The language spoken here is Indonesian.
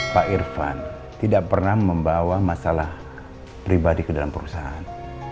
pak irfan tidak pernah membawa masalah pribadi ke dalam perusahaan